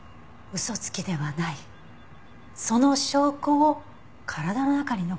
嘘つきではないその証拠を体の中に残しておく？